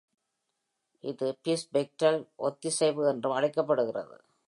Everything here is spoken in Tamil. இது பிஸ்பெக்ட்ரல் ஒத்திசைவு என்றும் அழைக்கப்படுகிறது.